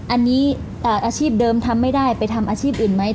อันนี้อาชีพเดิมทำไม่ได้ไปทำอาชีพอื่นไหม